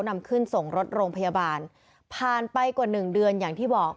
นำขึ้นส่งรถโรงพยาบาลผ่านไปกว่าหนึ่งเดือนอย่างที่บอก